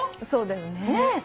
そうだよね。